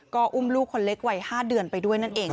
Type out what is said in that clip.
ก็อุ้มลูกคนเล็กวัย๕เดือนไปด้วยนั่นเอง